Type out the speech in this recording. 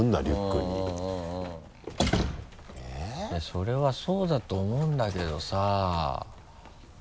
それはそうだと思うんだけどさ。